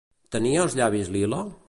Tenia els llavis lila?